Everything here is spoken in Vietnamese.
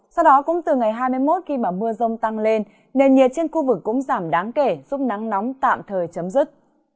sau đó cũng từ ngày hai mươi một khi mà mưa rông tăng lên nền nhiệt trên khu vực cũng giảm đáng kể giúp nắng nóng tạm thời chấm dứt